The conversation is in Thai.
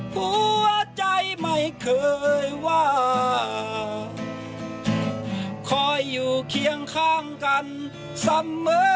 หัวใจไม่เคยว่าคอยอยู่เคียงข้างกันเสมอ